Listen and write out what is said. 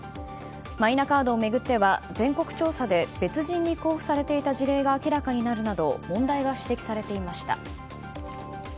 マイナカードを巡っては全国調査で別人に交付されていた事例が明らかになるなど問題が指摘されていました。